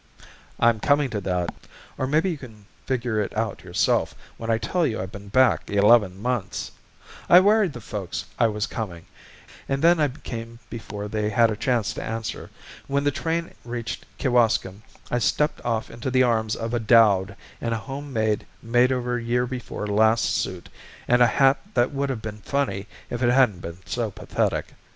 "I'm coming to that. Or maybe you can figure it out yourself when I tell you I've been back eleven months. I wired the folks I was coming, and then I came before they had a chance to answer. When the train reached Kewaskum I stepped off into the arms of a dowd in a home made made over year before last suit, and a hat that would have been funny if it hadn't been so pathetic.